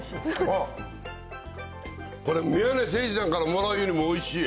あっ、これ、宮根誠司さんからもらうよりもおいしい。